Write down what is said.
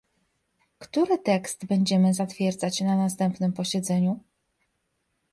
Który tekst będziemy zatwierdzać na następnym posiedzeniu?